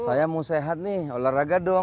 saya mau sehat nih olahraga dong